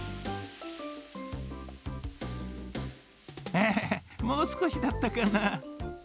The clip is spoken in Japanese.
エヘヘもうすこしだったかな。